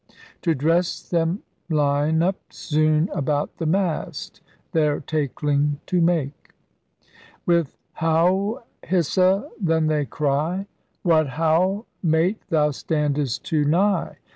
To dresse them [line up] soon about the mast Their takeling to make. With Howe! Hissa! then they cry, *What ho we! mate thou standest too nigh.